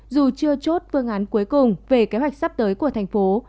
dù chưa chốt phương án cuối cùng về kế hoạch sắp tới của thành phố